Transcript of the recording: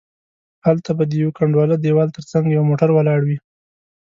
هلته به د یوه کنډواله دیوال تر څنګه یو موټر ولاړ وي.